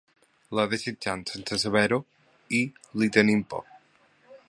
La desitjam sense saber-ho i li tenim por.